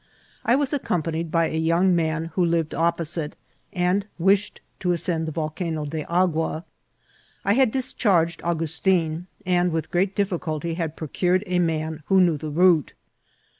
I was accompanied by a young man who lived opposite, and wished to ascend the Volcano de Agua. I had discharged Augustin, and with great dif* ficulty had procured a man who knew the route.